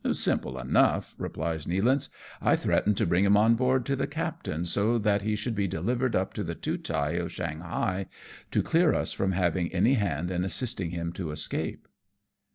" Simple enough/' replies Nealance, " I threatened to bring him on board to the captain, so that he should be delivered up to the Tootai of Shanghai, to clear us from having any hand in assisting him to escape."